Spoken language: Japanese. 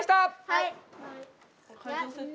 はい！